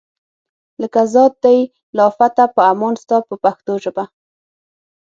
لکه ذات دی له آفته په امان ستا په پښتو ژبه.